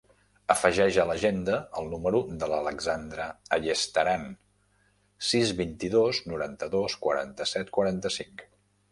Afegeix a l'agenda el número de l'Alexandra Ayestaran: sis, vint-i-dos, noranta-dos, quaranta-set, quaranta-cinc.